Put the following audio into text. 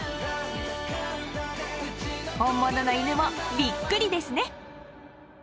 本物の犬もびっくりですね！